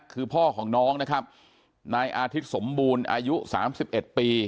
คือพ่อของน้องนะครับนายอาทิตย์สมบูรณ์อายุ๓๑ปี